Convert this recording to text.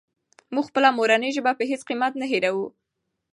موږ خپله مورنۍ ژبه په هېڅ قیمت نه هېروو.